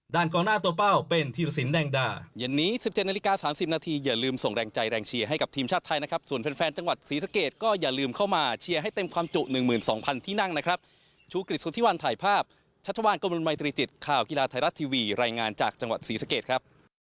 ด้านกลางหน้าตัวเป้าเป็นธิรสินแดงดา